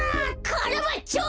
カラバッチョ！